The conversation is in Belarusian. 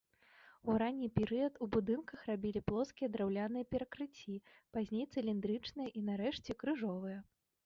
У ранні перыяд у будынках рабілі плоскія драўляныя перакрыцці, пазней цыліндрычныя і, нарэшце, крыжовыя.